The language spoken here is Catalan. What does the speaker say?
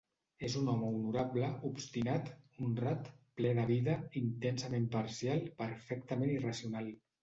És un home honorable, obstinat, honrat, ple de vida, intensament parcial perfectament irracional.